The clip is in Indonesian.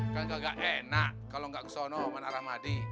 kan gak enak kalau gak kesana oman arhamadi